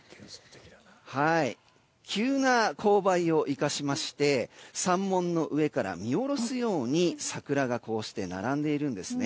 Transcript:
急な勾配を生かしまして山門の上から見下ろすように桜がこうして並んでいるんです。